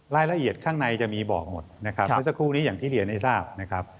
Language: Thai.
รายละเอียดข้างในจะมีบอกหมดนะครับเมื่อสักครู่นี้อย่างที่เรียนให้ทราบนะครับ